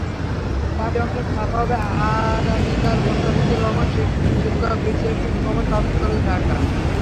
বাকি অংশ ছাপা হবে আগামীকালমোস্তাফিজুর রহমান, শিক্ষকবীরশ্রেষ্ঠ নূর মোহাম্মদ পাবলিক কলেজ, ঢাকা।